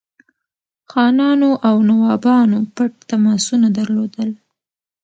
خانانو او نوابانو پټ تماسونه درلودل.